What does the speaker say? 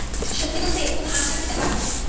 সত্যি বলতে, কোনো আশ্বাস দিতে পারবো না।